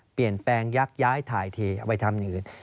เปลี่ยนแปลงยักยายถ่ายเทเอาไปทำอย่างอื่น